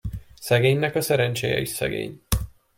Szegénynek a szerencséje is szegény.